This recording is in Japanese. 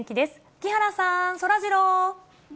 木原さん、そらジロー。